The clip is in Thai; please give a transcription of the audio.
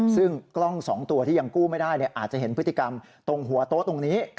ซึ่งกล้อง๒ตัวที่ยังกู้ไม่ได้อาจจะเห็นพฤติกรรมตรงหัวโต๊ะตรงนี้